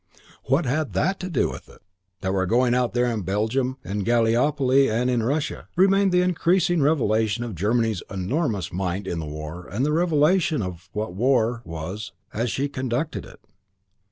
What had that to do with it? Remained the frightful facts that were going on out there in Belgium and in Gallipoli and in Russia. Remained the increasing revelation of Germany's enormous might in war and the revelation of what war was as she conducted it.